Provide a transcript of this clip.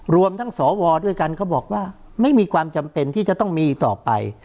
รวมทั้งสวด้วยกันเขาบอกว่าไม่มีความจำเป็นที่จะต้องมีต่อไป